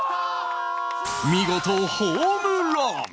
見事ホームラン